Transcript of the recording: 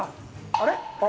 あれ？